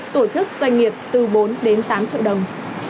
tổ chức doanh nghiệp từ bốn đến tám triệu đồng